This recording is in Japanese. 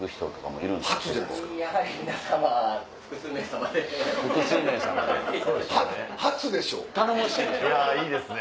いいですね！